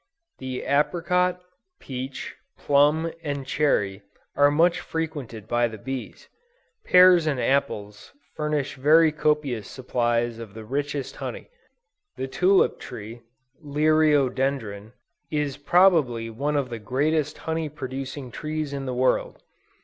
The Apricot, Peach, Plum and Cherry are much frequented by the bees; Pears and Apples furnish very copious supplies of the richest honey. The Tulip tree, Liriodendron, is probably one of the greatest honey producing trees in the world.